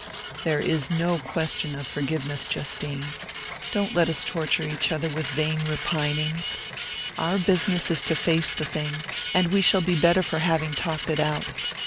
"There is no question of forgiveness, Justine. Don't let us torture each other with vain repinings. Our business is to face the thing, and we shall be better for having talked it out.